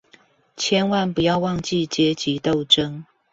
千萬不要忘記階級鬥爭